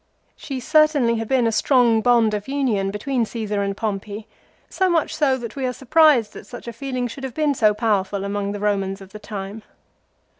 She certainly had been a strong bond of union between Caesar and Pompey; so much so that we are surprised that such a feeling should have been so powerful among the Romans of the time.